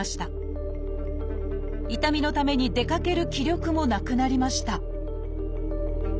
痛みのために出かける気力もなくなりました